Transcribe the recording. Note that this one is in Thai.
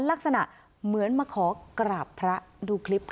ลักษณะเหมือนมาขอกราบพระดูคลิปค่ะ